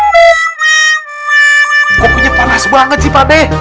pokoknya panas banget sih pak deh